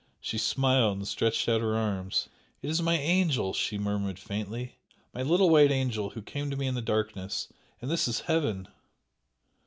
She smiled and stretched out her arms. "It is my angel!" she murmured faintly "My little white angel who came to me in the darkness! And this is Heaven!"